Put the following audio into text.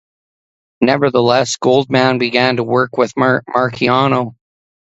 Nevertheless, Goldman began to work with Marciano.